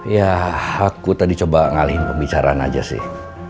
ya aku tadi coba ngalihin pembicaraan aja sih